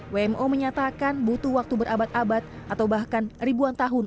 wmo menyatakan butuh waktu berabad abad atau bahkan ribuan tahun